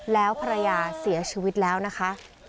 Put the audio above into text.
แล้วภรรยาเสียชีวิตแล้วนะคะ